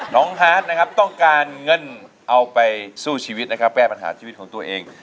ฮาร์ดนะครับต้องการเงินเอาไปสู้ชีวิตนะครับแก้ปัญหาชีวิตของตัวเอง